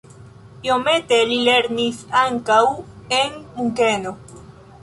Iomete li lernis ankaŭ en Munkeno.